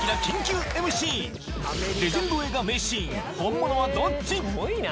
レジェンド映画名シーン本物はどっち？